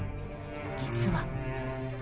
実は。